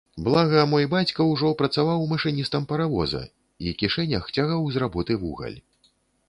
Блага, мой бацька ўжо працаваў машыністам паравоза і кішэнях цягаў з работы вугаль.